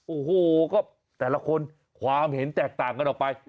โอ้โหก็แต่ละคนความเห็นแตกต่างกันออกไป